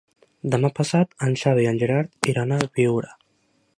Demà passat en Xavi i en Gerard iran a Biure.